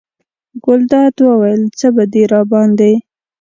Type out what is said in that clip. ګلداد وویل: څه به دې راباندې.